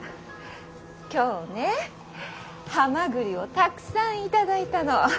今日ねハマグリをたくさん頂いたの。